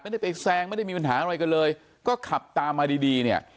ไม่ได้ไปแซงไม่ได้มีปัญหาอะไรกันเลยก็ขับตามมาดีดีเนี่ย